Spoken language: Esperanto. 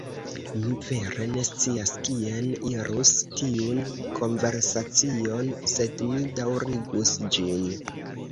Mi vere ne scias kien irus tiun konversacion, sed mi daŭrigus ĝin.